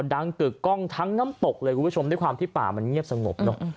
กึกกล้องทั้งน้ำตกเลยคุณผู้ชมด้วยความที่ป่ามันเงียบสงบเนอะ